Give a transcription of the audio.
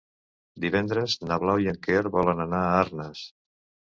Divendres na Blau i en Quer volen anar a Arnes.